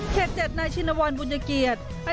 เขตเจ็ดนายชินวรบุญเกียจ